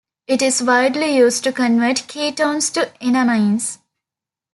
It is widely used to convert ketones to enamines.